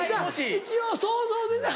一応想像でな。